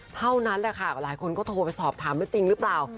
เท่านั้นแหละค่ะหลายคนก็โทรไปสอบถามว่าจริงหรือเปล่า